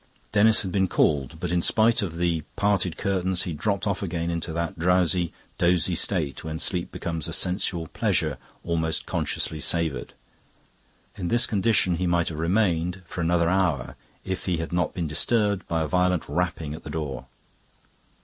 Denis had been called, but in spite of the parted curtains he had dropped off again into that drowsy, dozy state when sleep becomes a sensual pleasure almost consciously savoured. In this condition he might have remained for another hour if he had not been disturbed by a violent rapping at the door.